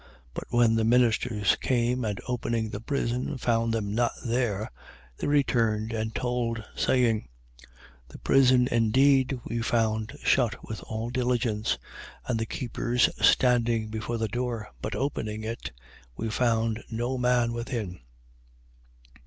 5:22. But when the ministers came and opening the prison found them not there, they returned and told, 5:23. Saying: The prison indeed we found shut with all diligence, and the keepers standing before the door: but opening it, we found no man within.